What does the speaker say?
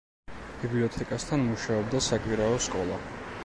ბიბლიოთეკასთან მუშაობდა საკვირაო სკოლა.